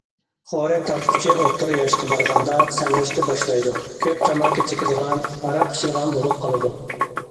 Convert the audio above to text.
خورەك تارتقۇچى ئوتتۇرا ياشقا بارغاندا سەمرىشكە باشلايدۇ، كۆپ تاماكا چېكىدىغان، ھاراق ئىچىدىغان بولۇپ قالىدۇ.